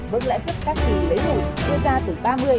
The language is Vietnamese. mức lãi suất khác kỳ với hụi đưa ra từ ba mươi năm mươi